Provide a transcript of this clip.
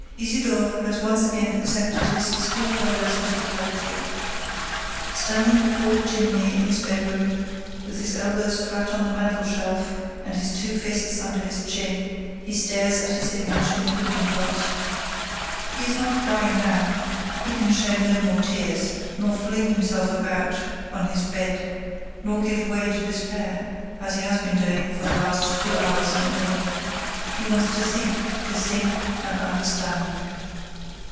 Isidore has again accepted his schoolfellow's hospitality. Standing before the chimney in his bedroom, with his elbows flat on the mantel shelf and his two fists under his chin, he stares at his image in the looking glass. He is not crying now, he can shed no more tears, nor fling himself about on his bed, nor give way to despair, as he has been doing for the last two hours and more. He wants to think, to think and understand.